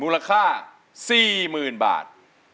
มูลค่า๔๐๐๐๐บาท